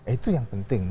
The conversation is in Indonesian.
itu yang penting